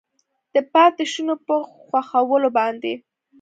د پاتې شونو په ښخولو باندې